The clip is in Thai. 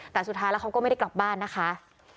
แต่สุดท้ายแล้วเขาก็ไม่ได้กลับบ้านนะคะ